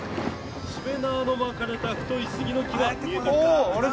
しめ縄の巻かれた太い杉の木が見えてきました。